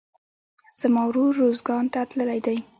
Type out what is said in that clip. زما ورور روزګان ته تللى دئ.